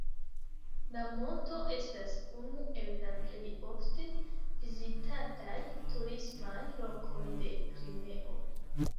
La monto estas unu el la plej ofte vizitataj turismaj lokoj de Krimeo.